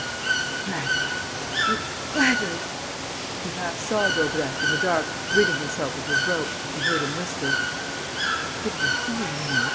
"You blackguard! You blackguard!" He half saw Daubrecq, in the dark, ridding himself of his rope, and heard him whisper: "You're a bit of a fool, you know!...